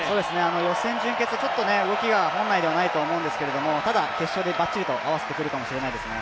予選・準決、動きが本来ではないんですけどただ、決勝でばっちりと合わせてくるかもしれないですね。